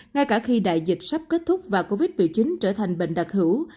ngay cả khi đại dịch sắp kết thúc và covid một mươi chín trở thành bệnh đặc hữu